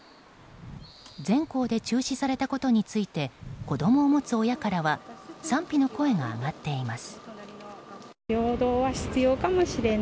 全校で中止されたことについて子供を持つ親からは賛否の声が上がっています。